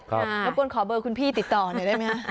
รบกวนขอเบอร์คุณพี่ติดต่อหน่อยได้ไหมคะ